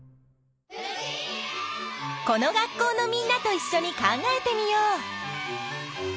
この学校のみんなといっしょに考えてみよう！